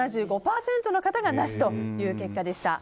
７５％の方がなしという結果でした。